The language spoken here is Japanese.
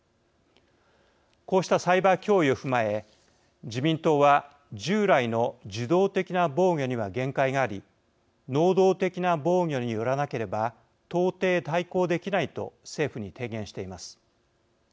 こうしたサイバー脅威を踏まえ自民党は従来の受動的な防御には限界があり能動的な防御によらなければ到底対抗できないと政府に提言しています。